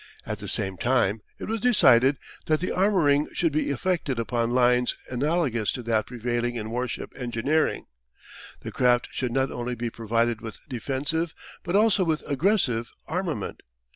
At the same time it was decided that the armouring should be effected upon lines analogous to that prevailing in warship engineering. The craft should not only be provided with defensive but also with aggressive armament.